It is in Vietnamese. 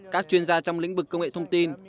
các chuyên gia trong lĩnh vực công nghệ thông tin